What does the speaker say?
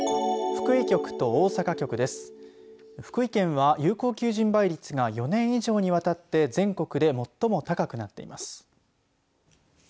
福井県は有効求人倍率が４年以上にわたって全国で最も高くなっています。